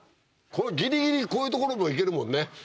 このギリギリこういう所も行けるもんね。